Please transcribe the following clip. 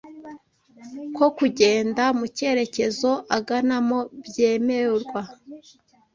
ko kugenda mu kerekezo aganamo byemerwa